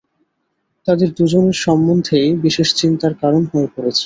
তাঁদের দুজনের সম্বন্ধেই বিশেষ চিন্তার কারণ হয়ে পড়েছে।